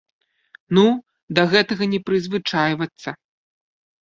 Ну, да гэтага не прызвычайвацца.